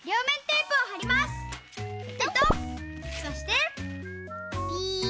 そしてピ。